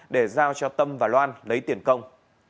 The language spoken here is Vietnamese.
để giao cho tâm và loan lấy tiền công